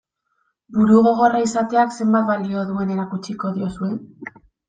Burugogorra izateak zenbat balio duen erakutsiko diozue?